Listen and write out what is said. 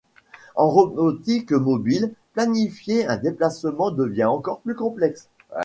En robotique mobile, planifier un déplacement devient encore plus complexe.